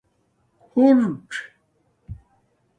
حرݸڅ